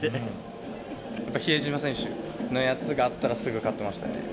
やっぱり比江島選手のやつがあったら、すぐ買ってましたね。